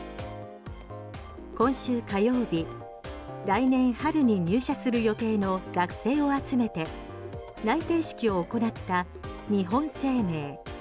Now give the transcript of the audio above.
今週火曜日来年春に入社する予定の学生を集めて内定式を行った日本生命。